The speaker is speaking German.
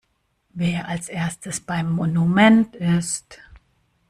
Wer als erstes beim Monument ist!